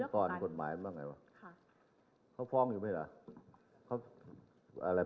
ก่อนกฎหมายมันเป็นยังไงวะค่ะเขาฟ้องอยู่ไม่ล่ะเขาอะไร